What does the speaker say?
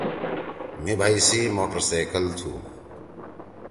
مھی بھئی سی موٹر سیکل تُھو۔